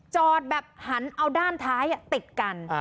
จอดแบบหันเอาด้านท้ายติดกัน